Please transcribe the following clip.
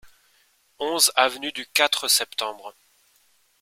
onze avenue du Quatre Septembre